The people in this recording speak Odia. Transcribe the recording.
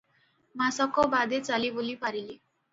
ମାସକ ବାଦେ ଚାଲିବୁଲି ପାରିଲି ।